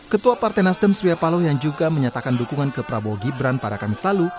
ketua partai nasdem surya paloh yang juga menyatakan dukungan ke prabowo gibran pada kamis lalu